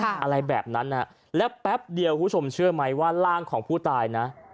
อะไรแบบนั้นแล้วแป๊บเดียวคุณผู้ชมเชื่อไหมว่าร่างของผู้ตายนะ